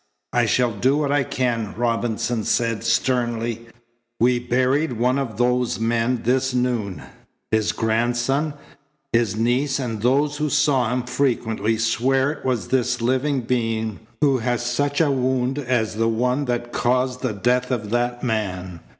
"I shall do what I can," Robinson said sternly. "We buried one of those men this noon. His grandson, his niece, and those who saw him frequently, swear it was this living being who has such a wound as the one that caused the death of that man.